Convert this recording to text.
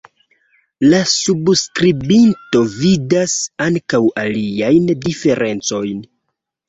La subskribinto vidas ankaŭ aliajn diferencojn.